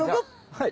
はい！